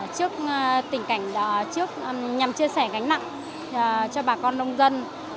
trước tình cảnh trước nhằm chia sẻ gánh nặng cho bà con nông dân